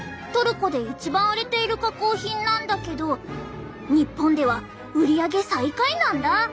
トルコで一番売れている加工品なんだけど日本では売り上げ最下位なんだ。